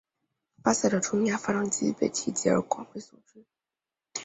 巴萨德冲压发动机中被提及而广为所知。